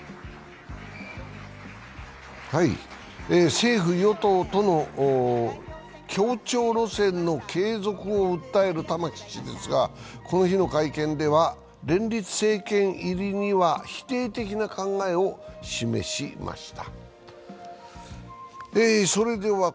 政府・与党との協調路線の継続を訴える玉木氏ですが、この日の会見では、連立政権入りには否定的な考えを示しました。